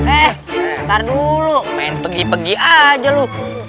eh ntar dulu main pegi pegi aja lu